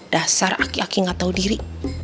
dasar aki aki gak tau diri